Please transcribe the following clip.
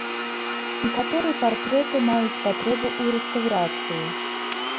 Некаторыя партрэты маюць патрэбу ў рэстаўрацыі.